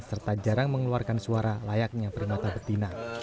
serta jarang mengeluarkan suara layaknya primata betina